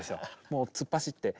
もう突っ走って。